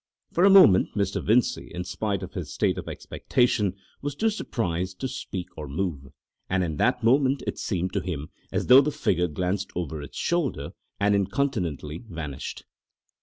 For a moment Mr. Vincey, in spite of his state of expectation, was too surprised to speak or move, and in that moment it seemed to him as though the figure glanced over its shoulder and incontinently vanished.